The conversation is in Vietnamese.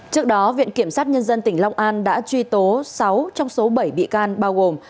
trước đó viện kiểm sát nhân dân tỉnh long an đã truy tố sáu trong số bảy bị can bao gồm